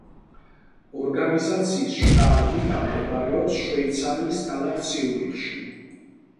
ორგანიზაციის შტაბ-ბინა მდებარეობს შვეიცარიის ქალაქ ციურიხში.